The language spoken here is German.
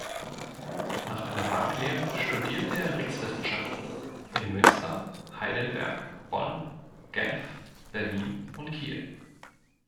Nach einer Banklehre studierte er Rechtswissenschaften in Münster, Heidelberg, Bonn, Genf, Berlin und Kiel.